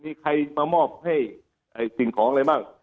มีใครมามอบให้สิ่งของอะไรบ้าง